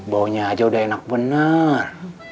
baunya aja udah enak bener